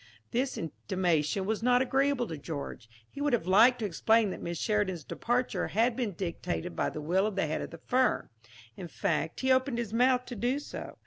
This intimation was not agreeable to George. He would have liked to explain that Miss Sheridan's departure had been dictated by the will of the head of the firm; in fact he opened his mouth to do so.